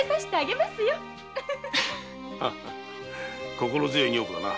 心強い女房だな。